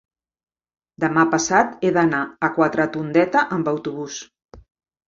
Demà passat he d'anar a Quatretondeta amb autobús.